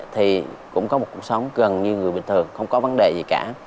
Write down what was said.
thì cũng có một cuộc sống gần như người bình thường không có vấn đề gì cả